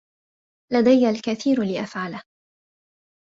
لدي الكثير لأفعله.